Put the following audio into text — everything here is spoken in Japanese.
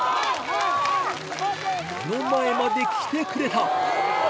目の前まで来てくれた